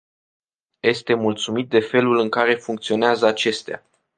Este mulțumit de felul în care funcționează acestea.